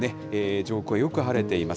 上空はよく晴れています。